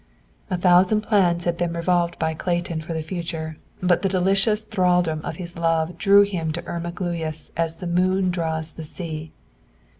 A thousand plans had been revolved by Clayton for the future, but the delicious thralldom of his love drew him to Irma Gluyas as the moon draws the sea.